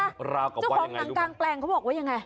เจ้าของหนังกางแปลงเขาบอกว่ายังไง